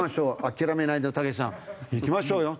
諦めないでたけしさんいきましょうよ。